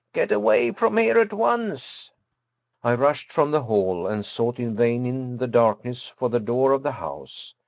Get away from here at once !" I rushed from the hall, and sought in vain in the dark ness for the door of the house.